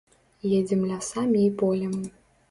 Едзем лясамі і полем.